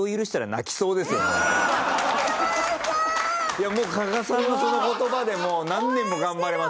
いやもう加賀さんのその言葉で何年も頑張れますホントに。